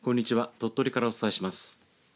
鳥取からお伝えします。